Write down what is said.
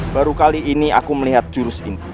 baru kali ini aku melihat jurus ini